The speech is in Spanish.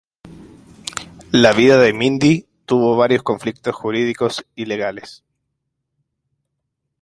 La vida de Mindy tuvo varios conflictos jurídicos y legales.